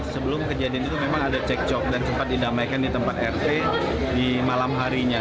sebelum kejadian itu memang ada cekcok dan sempat didamaikan di tempat rv di malam harinya